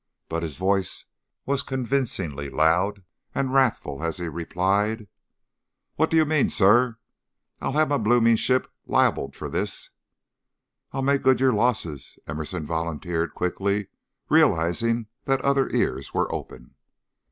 But his voice was convincingly loud and wrathful as he replied: "What do you mean, sir? I'll have my blooming ship libelled for this." "I'll make good your losses," Emerson volunteered, quickly, realizing that other ears were open.